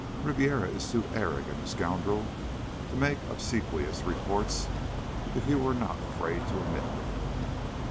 Ribiera is too arrogant a scoundrel to make obsequious reports if he were not afraid to omit them."